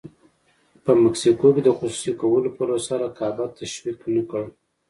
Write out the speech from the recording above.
په مکسیکو کې د خصوصي کولو پروسه رقابت تشویق نه کړ.